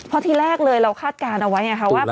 เพราะที่แรกเลยเราคาดการณ์เอาไว้ไงคะว่า